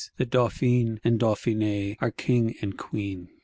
The Dauphin and Dauphiness are King and Queen!